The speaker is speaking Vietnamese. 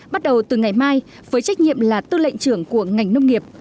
bắt đầu từ ngày mai với trách nhiệm là tư lệnh trưởng của ngành nông nghiệp